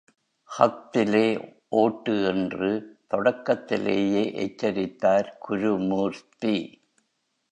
ஹத்திலே ஓட்டு என்று தொடக்கத்திலேயே எச்சரித்தார் குருமூர்த்தி.